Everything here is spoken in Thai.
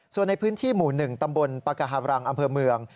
ส่วนในพื้นที่หมู่๑ตำบลปากาฮาบรังอำเภอเมือง